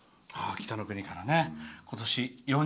「北の国から」。